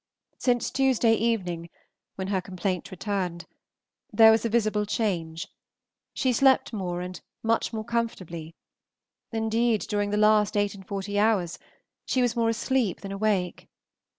Since Tuesday evening, when her complaint returned, there was a visible change, she slept more and much more comfortably; indeed, during the last eight and forty hours she was more asleep than awake.